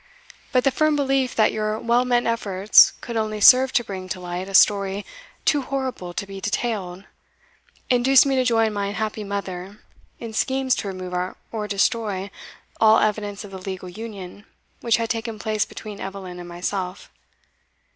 But the firm belief that your well meant efforts could only serve to bring to light a story too horrible to be detailed, induced me to join my unhappy mother in schemes to remove or destroy all evidence of the legal union which had taken place between Eveline and myself.